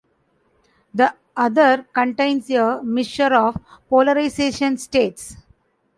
The other contains a mixture of polarization states.